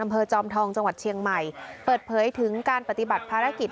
จอมทองจังหวัดเชียงใหม่เปิดเผยถึงการปฏิบัติภารกิจ